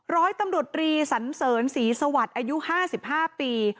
ร้อยตำรวจรีสันเสริญศรีสวัสดิ์อายุ๕๕ปี